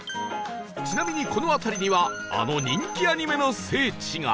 ちなみにこの辺りにはあの人気アニメの聖地が